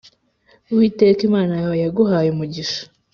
Uwiteka Imana yawe yaguhaye umugisha